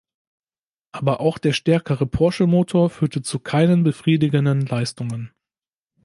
Aber auch der stärkere Porsche-Motor führte zu keinen befriedigenden Leistungen.